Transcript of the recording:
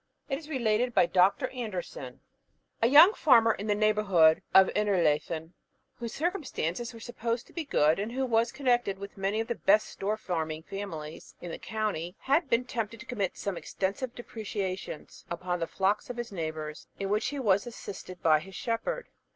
It is related by Dr. Anderson: A young farmer in the neighbourhood of Innerleithen, whose circumstances were supposed to be good, and who was connected with many of the best store farming families in the county, had been tempted to commit some extensive depredations upon the flocks of his neighbours, in which he was assisted by his shepherd.